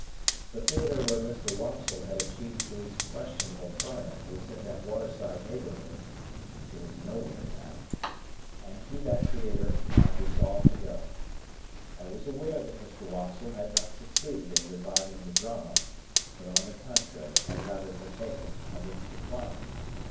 The theatre where Mr. Wopsle had achieved his questionable triumph was in that water side neighbourhood (it is nowhere now), and to that theatre I resolved to go. I was aware that Mr. Wopsle had not succeeded in reviving the Drama, but, on the contrary, had rather partaken of its decline.